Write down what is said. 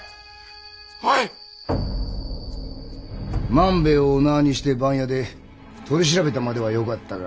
万兵衛をお縄にして番屋で取り調べたまではよかったが。